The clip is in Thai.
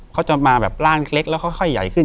เขาจะมาแบบร่างเล็กแล้วค่อยใหญ่ขึ้น